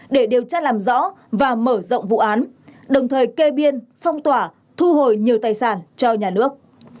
để điều tra làm rõ và mở rộng vụ án đồng thời kê biên phong tỏa thu hồi nhiều tài sản cho nhà nước